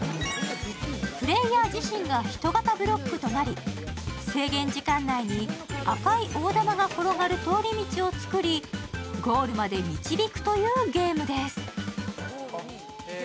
プレーヤー自身がヒト型ブロックとなり、制限時間内に赤い大玉が転がる通り道を作り、ゴールまで導くというゲームです。